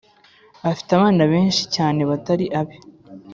afite abana benshi cyane batari abe.